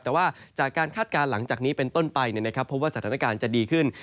แต่ว่าจากการคาดการณ์หลังจากนี้เป็นต้นไปพบว่าสถานการณ์จะดีขึ้น